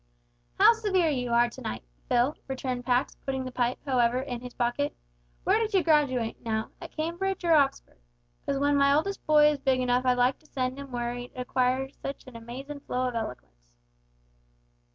"How severe you are to night, Phil!" returned Pax, putting the pipe, however, in his pocket; "where did you graduate, now at Cambridge or Oxford? Because w'en my eldest boy is big enough I'd like to send 'im w'ere he'd acquire sitch an amazin' flow of eloquence."